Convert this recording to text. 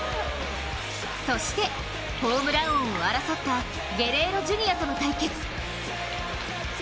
そして、ホームラン王を争ったゲレーロ・ジュニアとの対決。